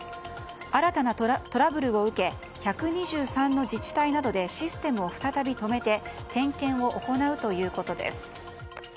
新たなトラブルを受け１２３の自治体などでシステムを再び止めて点検を行うということです。